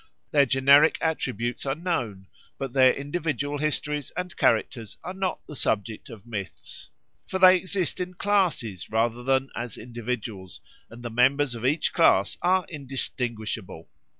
Their generic attributes are known, but their individual histories and characters are not the subject of myths. For they exist in classes rather than as individuals, and the members of each class are indistinguishable.